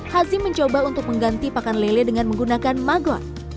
hazim mencoba untuk mengganti pakan lele dengan menggunakan magot